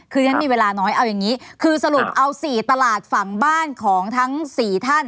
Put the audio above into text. คือฉันมีเวลาน้อยเอาอย่างนี้คือสรุปเอา๔ตลาดฝั่งบ้านของทั้ง๔ท่าน